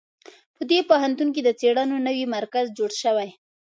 په دې پوهنتون کې د څېړنو نوی مرکز جوړ شوی